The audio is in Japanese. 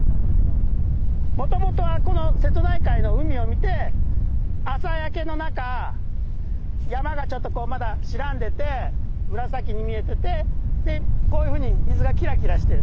もともとはこの瀬戸内海の海を見て朝焼けの中山がちょっとこうまだ白んでて紫に見えててでこういうふうに水がきらきらしてると。